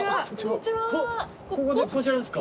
ここちらですか？